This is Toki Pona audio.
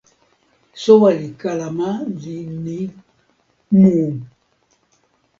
soweli kalama li ni: mu!